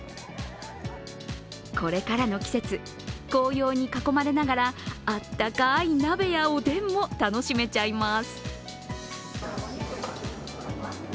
これからの季節紅葉に囲まれながらあったかい鍋やおでんも楽しめちゃいます。